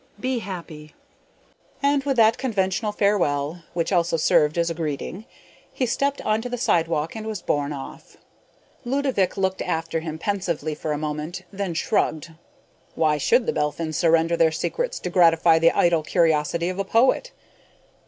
Be happy!" And with that conventional farewell (which also served as a greeting), he stepped onto the sidewalk and was borne off. Ludovick looked after him pensively for a moment, then shrugged. Why should the Belphins surrender their secrets to gratify the idle curiosity of a poet?